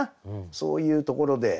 そういうところで。